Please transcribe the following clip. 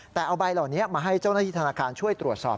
แต่เอาใบเหล่านี้มาให้เจ้าหน้าที่ธนาคารช่วยตรวจสอบ